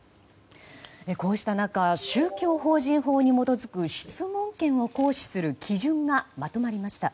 こうした中宗教法人法に基づく質問権を行使する基準がまとまりました。